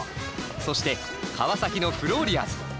そして川崎のフローリアーズ。